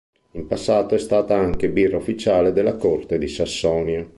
In passato è stata anche birra ufficiale della corte di Sassonia.